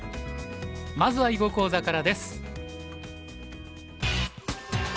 まずは囲碁講座からです。